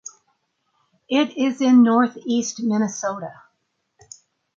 It is in northeast Minnesota.